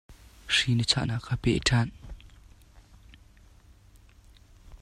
Hri na chahnak khan peh ṭhan.